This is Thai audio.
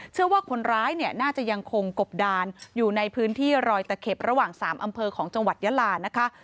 เชื่อว่าคนร้ายเนี่ยน่าจะยังคงกบดานอยู่ในพื้นที่รอยตะเข็บระหว่าง๓อำเภอของจังหวัดยาลานะคะ